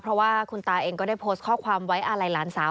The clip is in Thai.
เพราะว่าคุณตาเองก็ได้โพสต์ข้อความไว้อาลัยหลานสาว